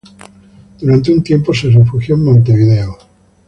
Durante un tiempo se refugió en Montevideo.